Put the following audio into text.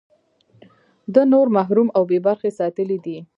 ده نور محروم او بې برخې ساتلي دي.